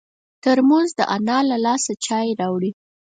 ترموز د انا له لاسه چای راوړي.